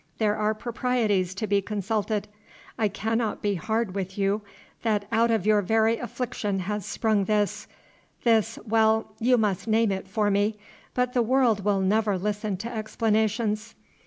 There are proprieties to be consulted. I cannot be hard with you, that out of your very affliction has sprung this this well you must name it for me, but the world will never listen to explanations.